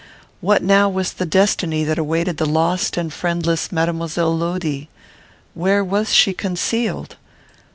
What now was the destiny that awaited the lost and friendless Mademoiselle Lodi? Where was she concealed?